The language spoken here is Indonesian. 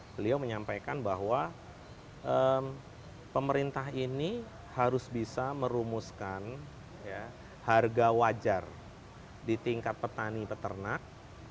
beliau menyampaikan bahwa pemerintah ini harus bisa merumuskan harga wajar di tingkat petani peternak